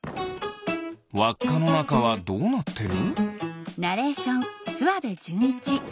わっかのなかはどうなってる？